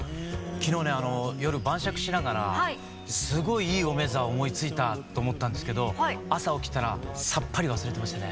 今日ね夜晩酌しながらすごいいい「おめざ」を思いついたと思ったんですけど朝起きたらさっぱり忘れてましたね。